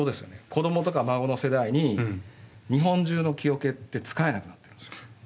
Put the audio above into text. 子どもとか孫の世代に日本中の木桶って使えなくなってるんですよ。